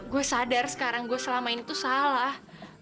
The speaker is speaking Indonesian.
gue sadar sekarang gue selama ini tuh salah